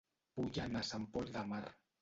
Vull anar a Sant Pol de Mar